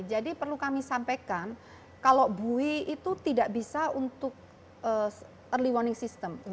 jadi perlu kami sampaikan kalau bui itu tidak bisa untuk early warning system